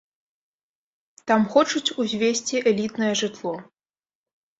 Там хочуць узвесці элітнае жытло.